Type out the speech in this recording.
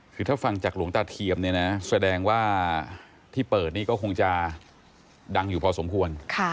คือถ้าฟังจากหลวงตาเทียมเนี่ยนะแสดงว่าที่เปิดนี่ก็คงจะดังอยู่พอสมควร